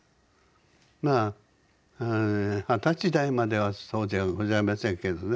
まあ二十歳代まではそうじゃございませんけどね